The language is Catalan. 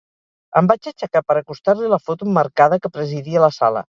Em vaig aixecar per acostar-li la foto emmarcada que presidia la sala.